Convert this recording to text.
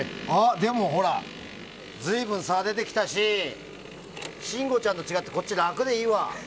でもほら、随分と差が出てきたし信五ちゃんと違ってこっち楽でいいわ。